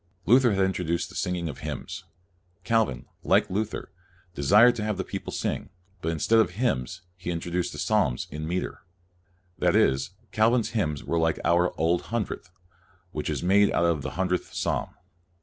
Luther had introduced the singing of hymns. Calvin, like Luther, desired to have the people sing, but in stead of hymns he introduced the psalms in meter. That is, Calvin's hymns were like our Old Hundredth, which is made out of the Hundredth Psalm.